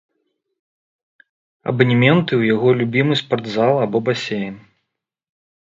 Абанементы ў яго любімы спартзал або басейн.